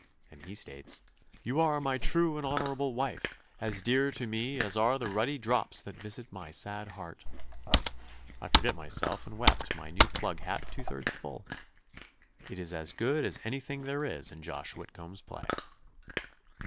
and he states, "You are my true and honorable wife, as dear to me as are the ruddy drops that visit my sad heart," I forgot myself and wept my new plug hat two thirds full. It is as good as anything there is in Josh Whitcomb's play.